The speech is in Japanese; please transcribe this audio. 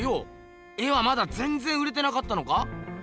絵はまだぜんぜん売れてなかったのか？